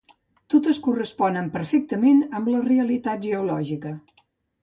Totes corresponen perfectament amb la realitat geològica.